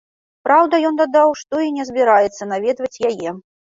Праўда, ён дадаў, што і не збіраецца наведваць яе.